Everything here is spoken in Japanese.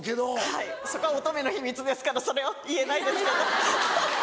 はいそこは乙女の秘密ですからそれは言えないですけど。